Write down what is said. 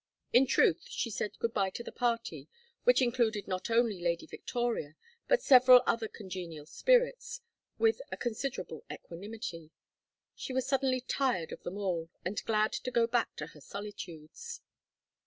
In truth she said good bye to the party, which included not only Lady Victoria, but several other congenial spirits, with a considerable equanimity. She was suddenly tired of them all and glad to go back to her solitudes.